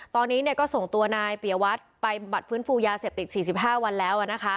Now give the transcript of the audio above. ตอนนี้ก็ส่งตัวนายเปียวัตรไปบัตรฟื้นฟูยาเสพติด๔๕วันแล้ว